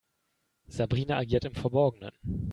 Sabrina agiert im Verborgenen.